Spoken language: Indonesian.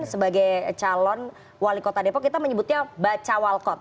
sebagai calon wali kota depok kita menyebutnya bacawalkot